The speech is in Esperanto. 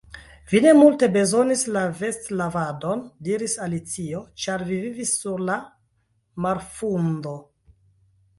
"Vi ne multe bezonis la vestlavadon," diris Alicio "ĉar vi vivis sur la marfundo."